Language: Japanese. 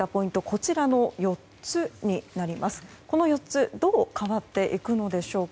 この４つどう変わっていくのでしょうか。